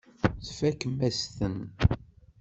Tfakem-as-ten.